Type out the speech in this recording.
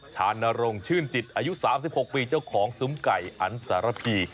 ชานรงชื่นจิตอายุ๓๖ปีเจ้าของซุ้มไก่อันสารพี